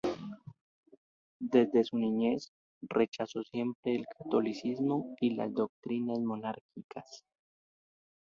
Desde su niñez, rechazó siempre el catolicismo y las doctrinas monárquicas.